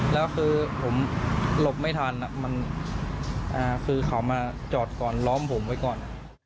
แล้วคือผมหลบไม่ทันมันคือเขามาจอดก่อนล้อมผมไว้ก่อน